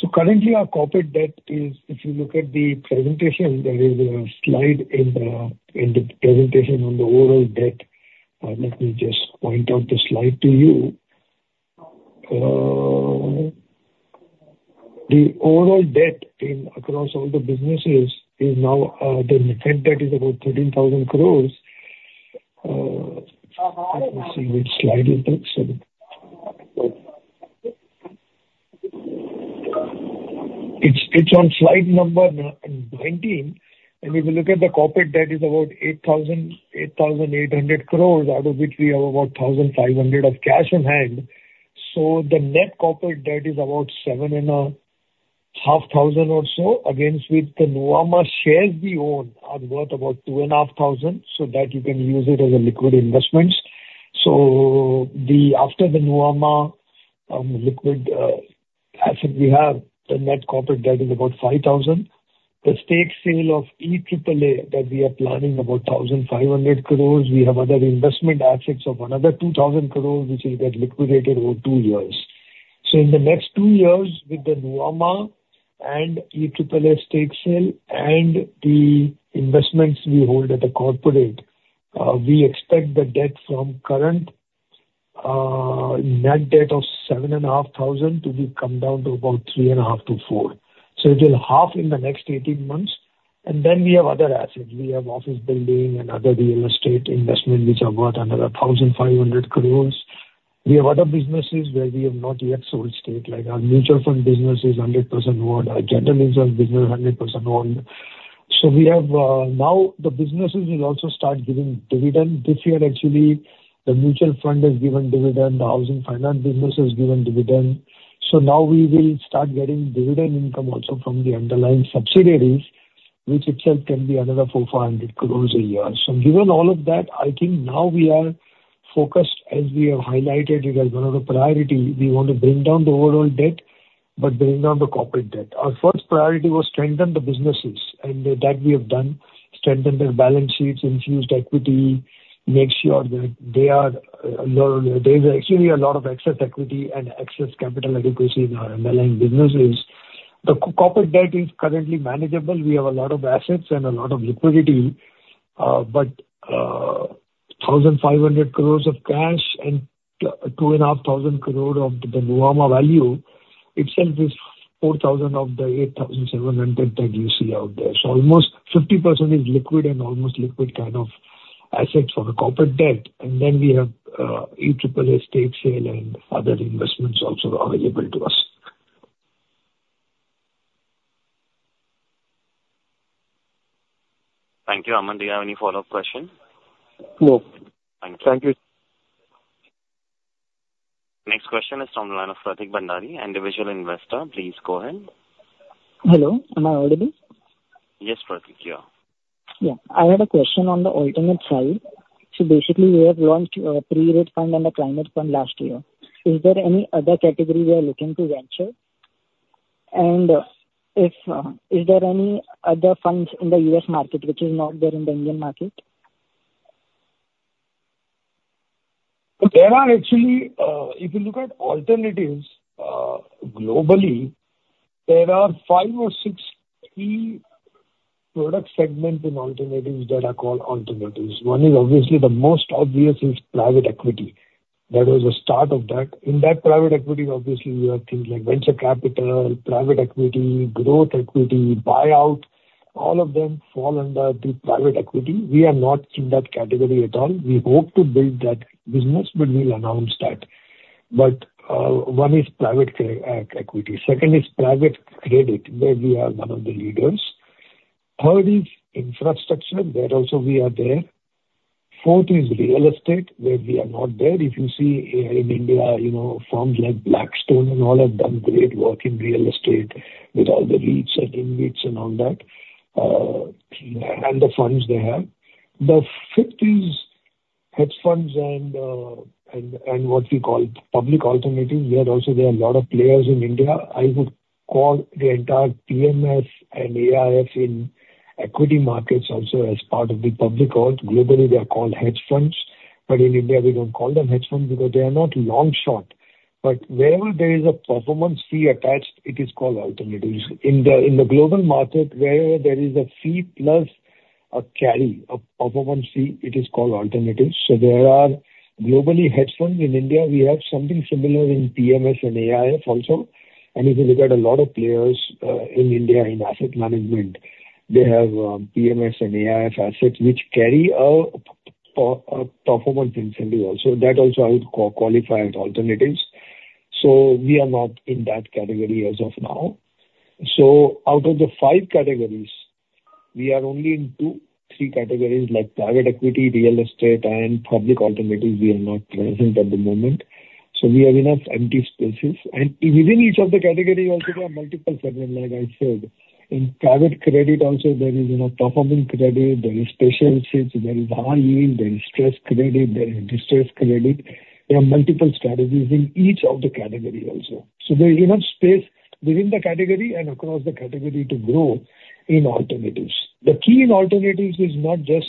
So currently our corporate debt is, if you look at the presentation, there is a slide in the presentation on the overall debt. Let me just point out the slide to you. The overall debt across all the businesses is now the net debt is about 13,000 crore. Let me see which slide it is. It's on slide number 19. And if you look at the corporate debt is about 8,800 crores, out of which we have about 1,500 crores of cash in hand. So the net corporate debt is about 7,500 crores or so, against with the Nuvama shares we own are worth about 2,500 crores, so that you can use it as a liquid investments. So the, after the Nuvama, liquid, asset, we have the net corporate debt is about 5,000 crores. The stake sale of EAAA that we are planning about 1,500 crores. We have other investment assets of another 2,000 crores, which will get liquidated over two years. So in the next two years, with the Nuvama and EAAA stake sale and the investments we hold at the corporate, we expect the debt from current net debt of 7,500 crore to become down to about 3,500 to 4,000. So it will halve in the next 18 months. And then we have other assets. We have office building and other real estate investment, which are worth another 1,500 crore. We have other businesses where we have not yet sold stake. Like our mutual fund business is 100% owned. Our general insurance business, 100% owned. So we have, now the businesses will also start giving dividend. This year, actually, the mutual fund has given dividend, the housing finance business has given dividend. So now we will start getting dividend income also from the underlying subsidiaries, which itself can be another 400-500 crore a year. So given all of that, I think now we are focused, as we have highlighted it, as one of the priority, we want to bring down the overall debt, but bring down the corporate debt. Our first priority was strengthen the businesses, and that we have done. Strengthen their balance sheets, infused equity, make sure that they are, there is actually a lot of excess equity and excess capital adequacy in our underlying businesses. The corporate debt is currently manageable. We have a lot of assets and a lot of liquidity, but, 1,500 crore of cash and 2,500 crore of the Nuvama value itself is 4,000 of the 8,700 that you see out there. So almost 50% is liquid and almost liquid kind of asset for the corporate debt. And then we have, EAAA stake sale and other investments also available to us. Thank you. Aman, do you have any follow-up question? No. Thank you. Thank you. Next question is from the line of Pratik Bhandari, individual investor. Please go ahead. Hello, am I audible? Yes, Pratik, you are. Yeah. I had a question on the alternative side. So basically, we have launched a Pre-REIT fund and a climate fund last year. Is there any other category we are looking to venture? And, if, is there any other funds in the U.S. market, which is not there in the Indian market? There are actually, if you look at alternatives, globally, there are five or six key product segments in alternatives that are called alternatives. One is obviously, the most obvious is private equity. That was the start of that. In that private equity, obviously, you have things like venture capital, private equity, growth equity, buyout, all of them fall under the private equity. We are not in that category at all. We hope to build that business, but we'll announce that. But, one is private equity. Second is private credit, where we are one of the leaders. Third is infrastructure, there also we are there. Fourth is real estate, where we are not there. If you see, in India, you know, firms like Blackstone and all have done great work in real estate with all the REITs and InvITs and all that, and the funds they have. The fifth is hedge funds and what we call public alternatives. There also are a lot of players in India. I would call the entire PMS and AIF in equity markets also as part of the public alt. Globally, they are called hedge funds, but in India, we don't call them hedge funds because they are not long-short. But wherever there is a performance fee attached, it is called alternatives. In the global market, wherever there is a fee plus a carry, a performance fee, it is called alternatives. So there are globally hedge funds. In India, we have something similar in PMS and AIF also. And if you look at a lot of players in India, in asset management, they have PMS and AIF assets which carry a performance incentive also. That also I would qualify as alternatives. So we are not in that category as of now. So out of the five categories, we are only in two, three categories. Like private equity, real estate, and public alternatives, we are not present at the moment. So we have enough empty spaces. And within each of the category, also, there are multiple segments, like I said. In private credit, also, there is, you know, performing credit, there is special situations, there is high yield, there is stress credit, there is distress credit. There are multiple strategies in each of the category also. So there's enough space within the category and across the category to grow in alternatives. The key in alternatives is not just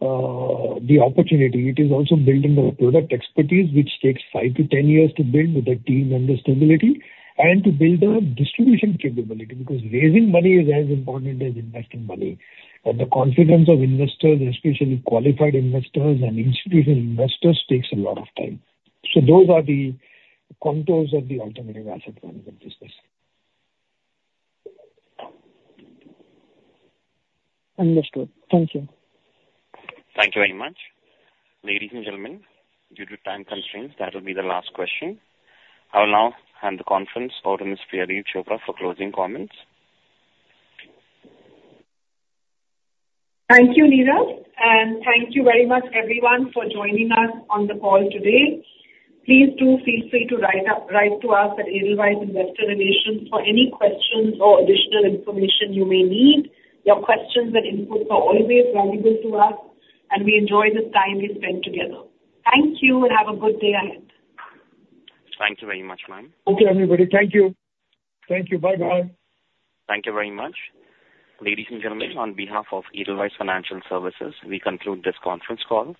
the opportunity, it is also building the product expertise, which takes 5-10 years to build with the team and the stability, and to build a distribution capability, because raising money is as important as investing money. And the confidence of investors, especially qualified investors and institutional investors, takes a lot of time. So those are the contours of the alternative asset management business. Understood. Thank you. Thank you very much. Ladies and gentlemen, due to time constraints, that will be the last question. I will now hand the conference over to Ms. Priya Chopra for closing comments. Thank you, Neeraj, and thank you very much everyone for joining us on the call today. Please do feel free to write up, write to us at Edelweiss Investor Relations for any questions or additional information you may need. Your questions and inputs are always valuable to us, and we enjoy the time we spend together. Thank you, and have a good day ahead. Thank you very much, ma'am. Okay, everybody. Thank you. Thank you. Bye-bye. Thank you very much. Ladies and gentlemen, on behalf of Edelweiss Financial Services, we conclude this conference call.